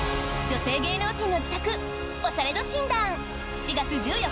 女性芸能人の自宅オシャレ度診断！